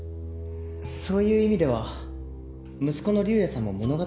そういう意味では息子の竜也さんも物語が生まれたんじゃ。